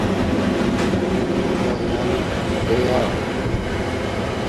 دَیل پیہ